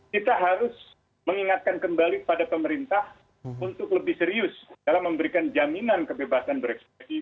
kita harus mengingatkan kembali pada pemerintah untuk lebih serius dalam memberikan jaminan kebebasan berekspresi